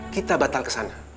kita batal ke sana